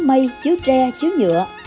mây chiếu tre chiếu nhựa